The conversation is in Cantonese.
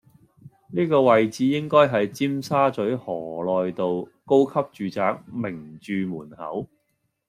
呢個位置應該係尖沙咀河內道￼高級住宅名鑄門口